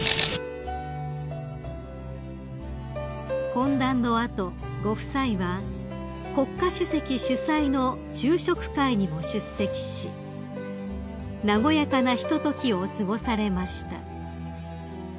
［懇談の後ご夫妻は国家主席主催の昼食会にも出席し和やかなひとときを過ごされました］